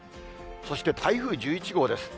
そして台風１１号です。